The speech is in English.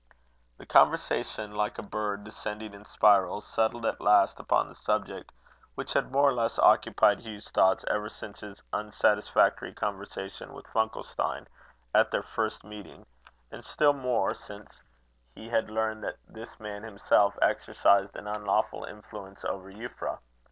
The conversation, like a bird descending in spirals, settled at last upon the subject which had more or less occupied Hugh's thoughts ever since his unsatisfactory conversation with Funkelstein, at their first meeting; and still more since he had learned that this man himself exercised an unlawful influence over Euphra.